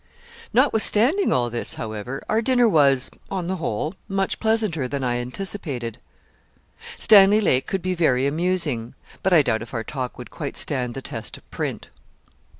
Notwithstanding all this, however, our dinner was, on the whole, much pleasanter than I anticipated. Stanley Lake could be very amusing; but I doubt if our talk would quite stand the test of print.